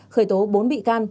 khởi tố bốn bị can